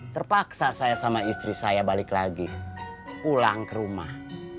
terpaksa saya sama istri saya balik lagi pulang ke rumah